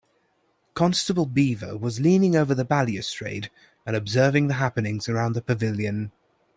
Constable Beaver was leaning over the balustrade and observing the happenings around the pavilion.